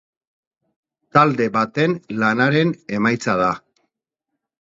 Talde baten lanaren emaitza da.